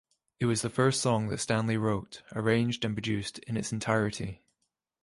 It was the first song that Stanley wrote, arranged and produced in its entirety.